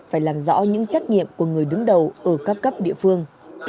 phải làm rõ những trách nhiệm của người đứng đầu ở các cấp địa phương